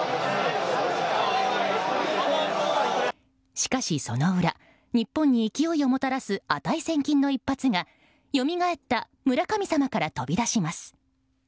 しかしその裏、日本に勢いをもたらす値千金の一発が、よみがえった村神様から飛び出します。